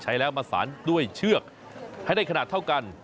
ใช้แล้วมาสารด้วยเชือกให้ได้ขนาดเท่ากัน